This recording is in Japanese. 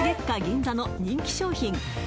銀座の人気商品